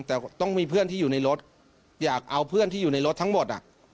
แต่ต้องมีเพื่อนที่อยู่ในรถอยากเอาเพื่อนที่อยู่ในรถทั้งหมด